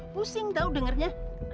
pusing tau dengernya